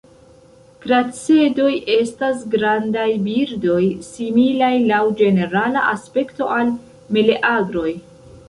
Kracedoj estas grandaj birdoj, similaj laŭ ĝenerala aspekto al meleagroj.